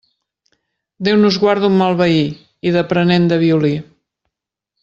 Déu nos guard d'un mal veí, i d'aprenent de violí.